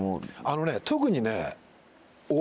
あのね特にね。